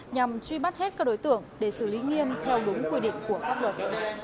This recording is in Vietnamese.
nhằm truy bắt hết các đối tượng để xử lý nghiêm theo đúng quy định của pháp luật